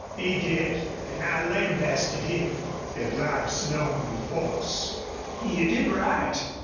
"He did, an' I lambasted him," replied Slone, with force. "You did right.